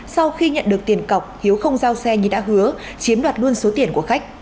sau khi nhận được tiền cọc hiếu không giao xe như đã hứa chiếm đoạt luôn số tiền của khách